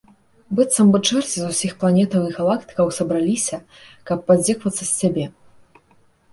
Быццам бы чэрці з усіх планетаў і галактыкаў сабраліся, каб паздзеквацца з цябе.